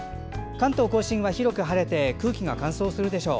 関東・甲信は広く晴れて空気が乾燥するでしょう。